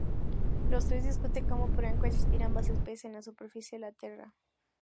Los tres discuten cómo podrían coexistir ambas especies en la superficie de la Tierra.